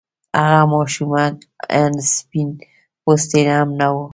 هغه ماشومه آن سپين پوستې هم نه وه.